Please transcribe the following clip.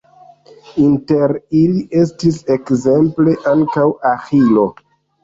Inter ili estis ekzemple ankaŭ Aĥilo.